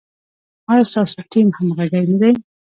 ایا ستاسو ټیم همغږی نه دی؟